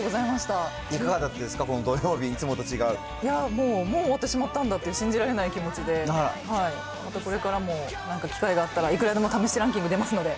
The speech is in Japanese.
いかがだったですか、この土いやもう、もう終わってしまったんだっていう、信じられない気持ちで、またこれからもなんか機会があったら、いくらでも試してランキング出ますので。